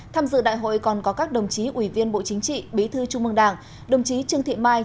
tham dự đại hội còn có các đồng chí ủy viên bộ chính trị bí thư trung mương đảng đồng chí trương thị mai